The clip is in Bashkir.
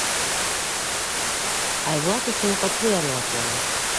Айбулат өсөн Ҡотлояр яуапланы: